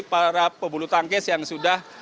para pebulu tangkis yang sudah